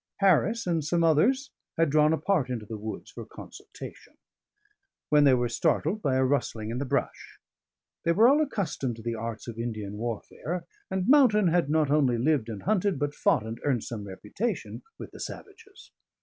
Harris and some others had drawn apart into the woods for consultation, when they were startled by a rustling in the brush. They were all accustomed to the arts of Indian warfare, and Mountain had not only lived and hunted, but fought and earned some reputation, with the savages.